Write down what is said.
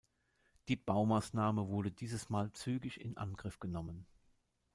Die Baumaßnahme wurde dieses Mal zügig in Angriff genommen.